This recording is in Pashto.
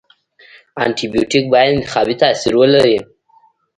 انټي بیوټیک باید انتخابي تاثیر ولري.